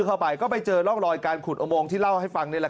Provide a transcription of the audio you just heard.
เข้าไปก็ไปเจอร่องรอยการขุดอุโมงที่เล่าให้ฟังนี่แหละ